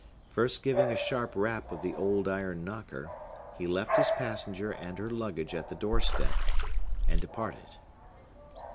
First giving a sharp rap of the old iron knocker, he left his passenger and her luggage at the door step, and departed.